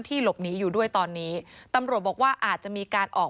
หลบหนีอยู่ด้วยตอนนี้ตำรวจบอกว่าอาจจะมีการออก